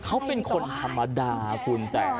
เขาเป็นคนธรรมดาคุณแต่